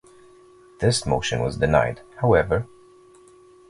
This motion was denied, however.